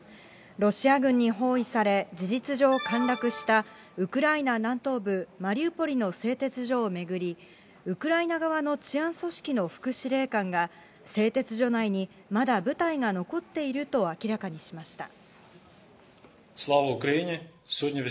ロシア軍に包囲され、事実上、陥落したウクライナ南東部マリウポリの製鉄所を巡り、ウクライナ側の治安組織の副司令官が、製鉄所内に、まだ部隊が残っていると明らかにしました。